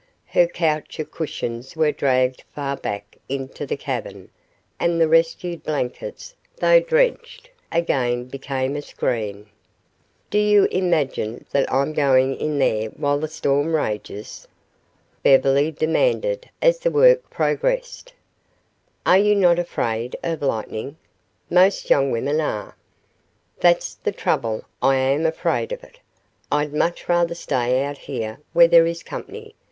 Her couch of cushions was dragged far back into the cavern and the rescued blankets, though drenched, again became a screen. "Do you imagine that I'm going in there while this storm rages?" Beverly demanded, as the work progressed. "Are you not afraid of lightning? Most young women are." "That's the trouble. I am afraid of it. I'd much rather stay out here where there is company.